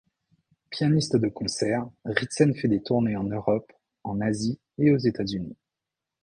Pianiste de concert, Ritzen fait des tournées en Europe, en Asie et aux États-Unis.